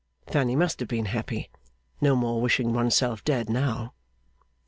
Fanny must have been happy. No more wishing one's self dead now.